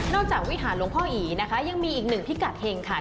นอกจากวิทยาลงพ่ออีย์นะคะยังมีอีกหนึ่งพิกัดเฮงค่ะ